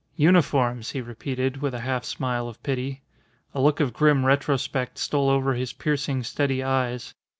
"Uniforms!" he repeated with a half smile of pity. A look of grim retrospect stole over his piercing, steady eyes.